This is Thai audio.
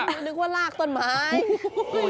ไม่ได้นึกว่ารากต้นไม้